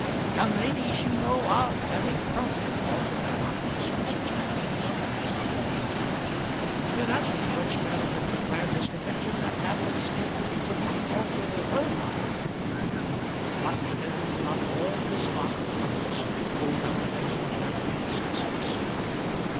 "Young ladies, you know, are very prone to alter their minds on such matters," said the old man. In answer to which Peregrine declared his conviction that Madeline Staveley would not alter her mind. But then do not all despondent lovers hold that opinion of their own mistresses?